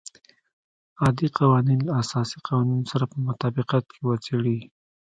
عادي قوانین له اساسي قوانینو سره په مطابقت کې وڅېړي.